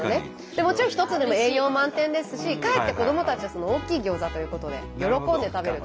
もちろん１つでも栄養満点ですしかえって子どもたちは大きいギョーザということで喜んで食べると。